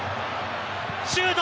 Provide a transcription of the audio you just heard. シュート！